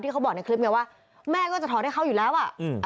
เขาบอกในคลิปไงว่าแม่ก็จะถอดให้เขาอยู่แล้วอ่ะอืม